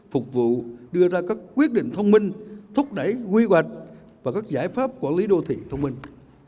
phục vụ đưa ra các quyết định thông minh thúc đẩy quy hoạch và các giải pháp quản lý đô thị thông minh